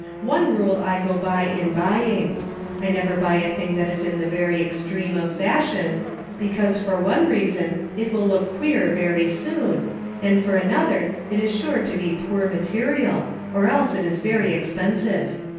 One rule I go by, in buying. I never buy a thing that is in the very extreme of fashion, because for one reason it will look queer very soon, and for another it is sure to be poor material, or else it is very expensive.